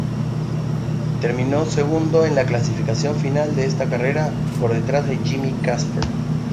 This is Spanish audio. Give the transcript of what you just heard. Terminó segundo en la clasificación final de esta carrera, por detrás de Jimmy Casper.